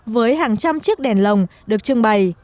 với hàng trăm chiếc đèn lồng được trưng bày